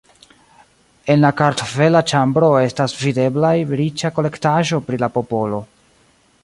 En la kartvela ĉambro estas videblaj riĉa kolektaĵo pri la popolo.